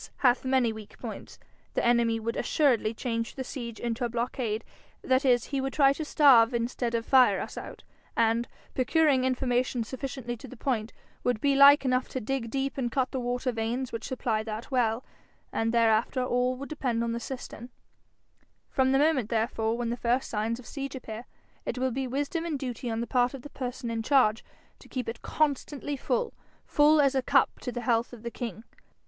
hath many weak points the enemy would assuredly change the siege into a blockade; that is, he would try to starve instead of fire us out; and, procuring information sufficiently to the point, would be like enough to dig deep and cut the water veins which supply that well; and thereafter all would depend on the cistern. From the moment therefore when the first signs of siege appear, it will be wisdom and duty on the part of the person in charge to keep it constantly full full as a cup to the health of the king.